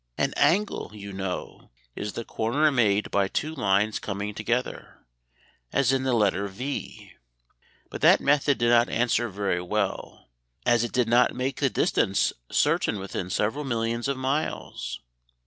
An angle, you know, is the corner made by two lines coming together, as in the letter V. But that method did not answer very well, as it did not make the distance certain within several millions of miles.